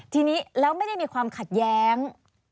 ทีนี้แล้วไม่ได้มีความขัดแย้ง